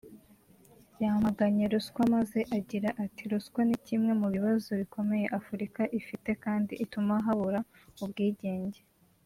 yamaganye ruswa maze agira ati “Ruswa ni kimwe mu bibazo bikomeye Afurika ifite kandi ituma habura ubwigenge